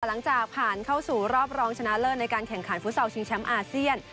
หลังจากผ่านเข้าสู่รอบรองชนะเลิศในการแข่งขันฟุตซอลชิงแชมป์อาเซียน